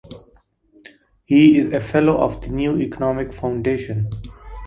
He is a fellow of the New Economics Foundation.